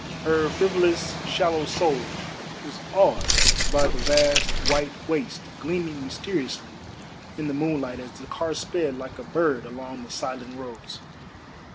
Her frivolous, shallow soul was awed by the vast white waste gleaming mysteriously in the moonlight as the car sped like a bird along the silent roads.